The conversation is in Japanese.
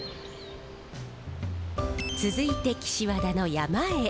続いて岸和田の山へ。